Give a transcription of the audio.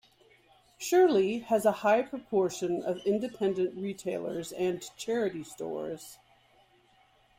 Shirley has a high proportion of independent retailers and charity stores.